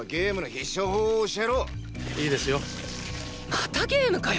またゲームかよ！